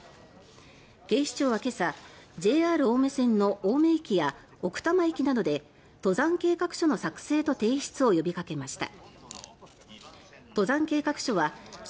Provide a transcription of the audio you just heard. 警視庁は今朝ＪＲ青梅線の青梅駅や奥多摩駅などで登山計画書の作成と提出を呼びかけました。